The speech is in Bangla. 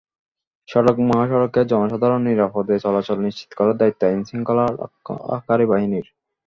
সড়ক মহাসড়কে জনসাধারণের নিরাপদে চলাচল নিশ্চিত করার দায়িত্ব আইনশৃঙ্খলা রক্ষাকারী বাহিনীর।